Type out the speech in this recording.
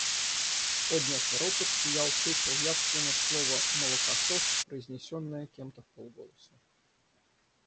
Поднялся ропот, и я услышал явственно слово «молокосос», произнесенное кем-то вполголоса.